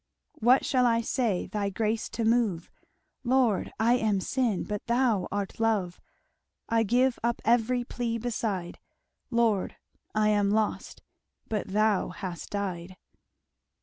"What shall I say thy grace to move? Lord, I am sin, but thou art love! I give up every plea beside, Lord, I am lost, but thou hast died!"